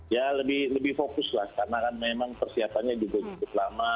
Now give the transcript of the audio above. ya lebih fokus lah karena kan memang persiapannya juga cukup lama